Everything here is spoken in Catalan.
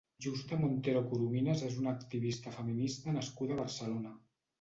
Justa Montero Corominas és una activista feminista nascuda a Barcelona.